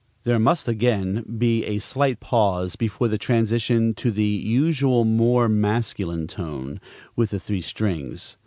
There must again be a slight pause before the transition to the usual more masculine tone, with the three strings.